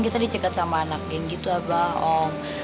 kita dicegat sama anak geng gitu aba om